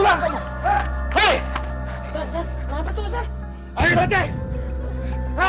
pak nggak punya perasaan